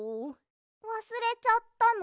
わすれちゃったの？